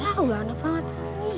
tahu ganda banget